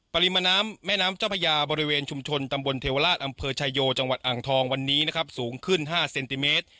ปริมาณน้ำแม่น้ำเจ้าพญาบริเวณชุมชนตำบลเทวราชอำเภอชายโยจังหวัดอ่างทองวันนี้นะครับสูงขึ้น๕เซนติเมตร